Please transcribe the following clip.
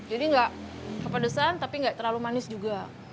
jadi enggak kepedesan tapi enggak terlalu manis juga